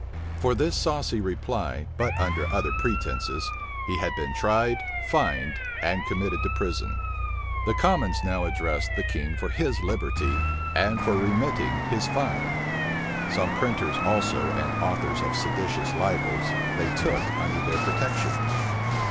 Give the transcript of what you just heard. For this saucy reply, but under other pretences, he had been tried, fined, and committed to prison. The commons now addressed the king for his liberty, and for remitting his fine. Some printers also and authors of seditious libels they took under their protection.